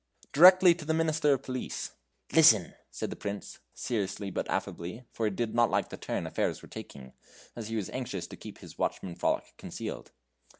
"Directly to the Minister of Police." "Listen," said the Prince, seriously but affably, for he did not like the turn affairs were taking, as he was anxious to keep his watchman frolic concealed.